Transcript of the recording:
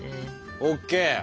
ＯＫ。